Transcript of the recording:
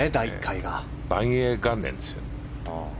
万永元年ですよ。